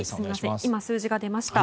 今、数字が出ました。